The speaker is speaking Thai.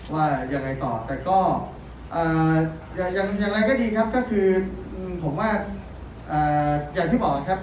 ไม่ใช่การเดิมภัณฑ์อย่างที่บอก